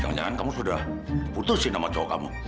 jangan jangan kamu sudah putusin nama cowok kamu